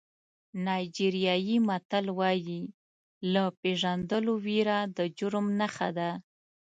نایجیریایي متل وایي له پېژندلو وېره د جرم نښه ده.